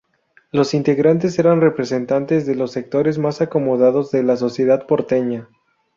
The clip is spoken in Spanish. Los integrantes eran representantes de los sectores más acomodados de la sociedad porteña.